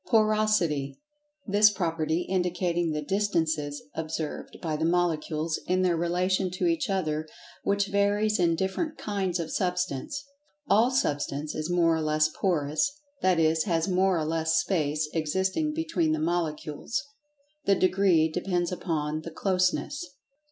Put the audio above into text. Porosity: That property indicating the distances observed by the Molecules in their relation to each other, which varies in different "kinds" of Substance. All Substance is more or less Porous, that is, has more or less space existing between the Molecules—the degree depends upon the "closeness."